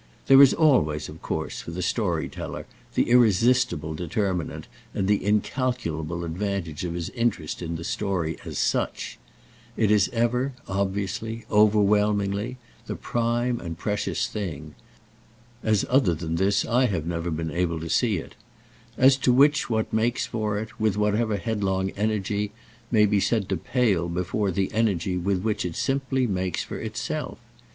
There is always, of course, for the story teller, the irresistible determinant and the incalculable advantage of his interest in the story as such; it is ever, obviously, overwhelmingly, the prime and precious thing (as other than this I have never been able to see it); as to which what makes for it, with whatever headlong energy, may be said to pale before the energy with which it simply makes for itself.